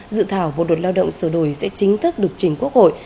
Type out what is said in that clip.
dự thảo một luật lao động sửa đổi sẽ chính thức được chỉnh quốc hội